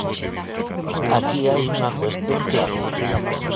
Aquí hai unha cuestión clave.